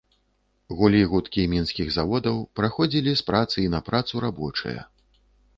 Гулі гудкі мінскіх заводаў, праходзілі з працы і на працу рабочыя.